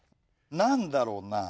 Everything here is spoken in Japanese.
何だろうな